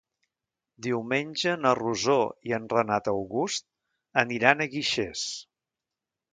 Diumenge na Rosó i en Renat August aniran a Guixers.